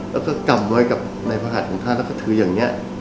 แล้วก็กำไว้กับในภาษาของท่านแล้วก็ถืออย่างเงี้ย